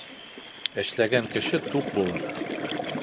Эшләгән кеше туҡ булыр